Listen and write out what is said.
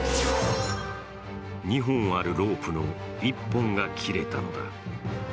２本あるロープの１本が切れたのだ。